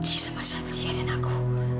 dia benci sama satria dan aku